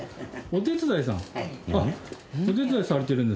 お手伝いさん。